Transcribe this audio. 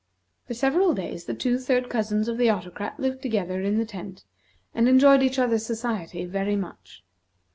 For several days the two third cousins of the Autocrat lived together in the tent, and enjoyed each other's society very much.